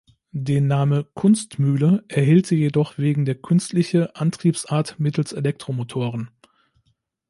Den Name "Kunstmühle" erhielt sie jedoch wegen der künstliche Antriebsart mittels Elektromotoren.